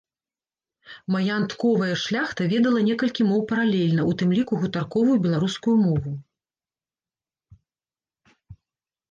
Маянтковая шляхта ведала некалькі моў паралельна, у тым ліку гутарковую беларускую мову.